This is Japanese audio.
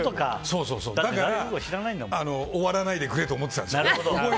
だから終わらないでくれって思ってたんですよ。